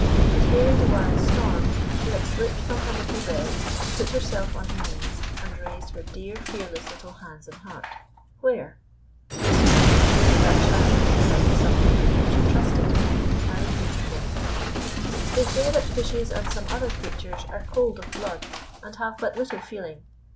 And hearing the wild storm, she had slipped from her little bed, put herself on her knees, and raised her dear, fearless little hands and heart where? Oh, surely that child had a Friend somewhere whom she trusted. How beautiful! They say that fishes and some other creatures are cold of blood and have but little feeling.